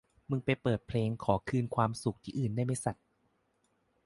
มึงไปเปิดเพลงขอคืนความสุขที่อื่นได้ไหมสัส